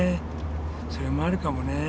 それもあるかもね。